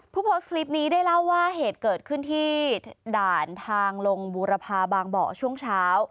โพสต์คลิปนี้ได้เล่าว่าเหตุเกิดขึ้นที่ด่านทางลงบูรพาบางเบาะช่วงเช้า